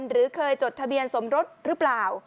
หรือเคยจดทะเบียนสมรสหรือเปล่า